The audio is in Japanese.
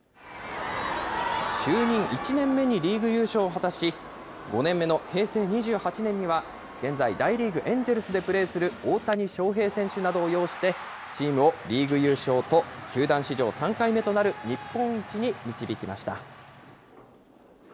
就任１年目にリーグ優勝を果たし、５年目の平成２８年には、現在、大リーグ・エンジェルスでプレーする大谷翔平選手などを擁して、チームをリーグ優勝と、球団史上３回目となる日本一に導きました。